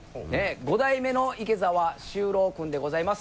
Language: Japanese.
５代目の池澤秀郎君でございます。